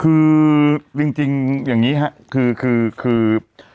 คือจริงอย่างนี้ครับคือ